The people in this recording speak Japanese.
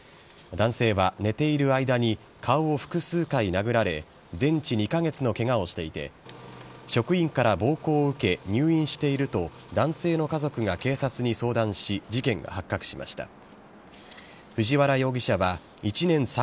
男性は寝ている間に顔を複数回殴られ、全治２か月のけがをしていて、職員から暴行を受け入院していると男性の家族が警察に相談し、事件が発覚しました。